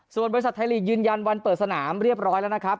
ไทยลีกยืนยันวันเปิดสนามเรียบร้อยแล้วนะครับ